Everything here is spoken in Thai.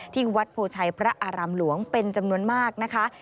ที่วัดโพชัยพระอารามหลวงเป็นจำนวนมากนะคะ